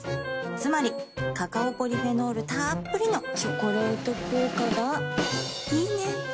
つまりカカオポリフェノールたっぷりの「チョコレート効果」がいいね。